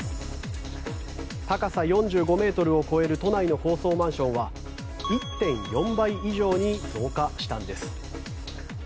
高さ４５ｍを超える都内の高層マンションは１．４倍以上に増加したんです。